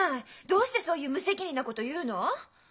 どうしてそういう無責任なこと言うの？